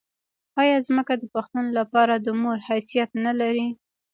آیا ځمکه د پښتون لپاره د مور حیثیت نلري؟